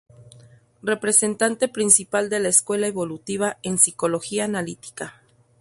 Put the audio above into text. Representante principal de la "escuela evolutiva" en psicología analítica.